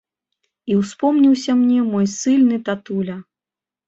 І ўспомніўся мне мой ссыльны татуля.